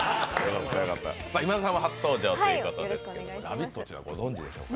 今田さんは初登場ということで、「ラヴィット！」はご存じですか？